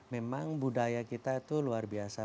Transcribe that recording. memang budaya kita itu luar biasa